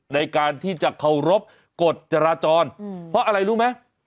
ในการที่จะเคารพกฎจราจรเพราะอะไรรู้ไหม